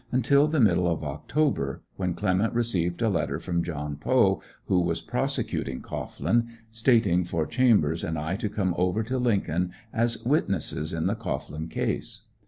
until the middle of October, when Clement received a letter from John Poe, who was prosecuting Cohglin, stating for Chambers and I to come over to Lincoln as witnesses in the Cohglin case.